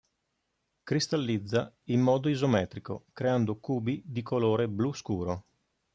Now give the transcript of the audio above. Cristallizza in modo isometrico, creando cubi di colore blu scuro.